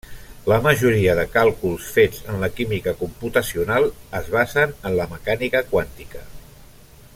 La majoria de càlculs fets en la química computacional es basen en la mecànica quàntica.